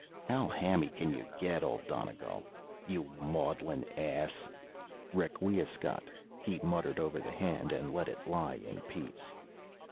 How hammy can you get, Old Donegal? You maudlin ass. "Requiescat," he muttered over the hand, and let it lie in peace.